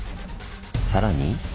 さらに。